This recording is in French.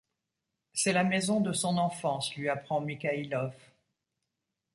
C’est la maison de son enfance lui apprend Mikhaïlov.